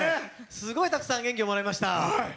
すごいたくさん元気をもらいました。